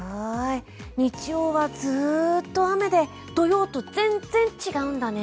日曜はずっと雨で土曜と全然違うんだね。